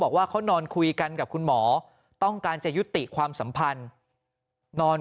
บอกว่าเขานอนคุยกันกับคุณหมอต้องการจะยุติความสัมพันธ์นอน